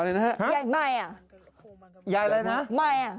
ยายอะไรนะไม่อ่ะ